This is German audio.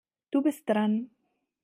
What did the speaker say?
Du bist dran.